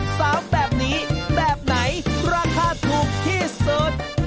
สามแบบนี้แบบไหนราคาถูกที่สุด